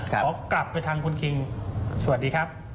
ขอกลับไปทางคุณคิงสวัสดีครับ